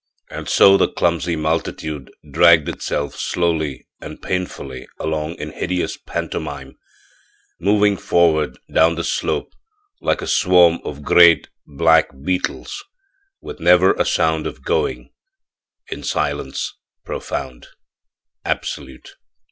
And so the clumsy multitude dragged itself slowly and painfully along in hideous pantomime moved forward down the slope like a swarm of great black beetles, with never a sound of going in silence profound, absolute.